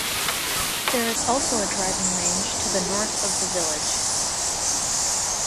There is also a Driving range to the north of the village.